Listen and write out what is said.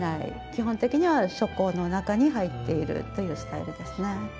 基本的には書庫の中に入っているというスタイルですね。